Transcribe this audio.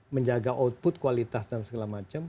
menjaga output kualitas dan segala macam